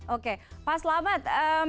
oke pak selamat